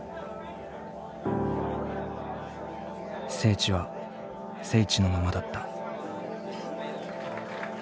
聖地は聖地のままだった。